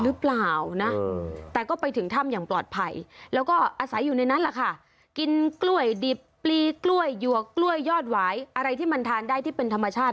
หรือเปล่านะแต่ก็ไปถึงถ้ำอย่างปลอดภัยแล้วก็อาศัยอยู่ในนั้นแหละค่ะกินกล้วยดิบปลีกล้วยหยวกกล้วยยอดหวายอะไรที่มันทานได้ที่เป็นธรรมชาติ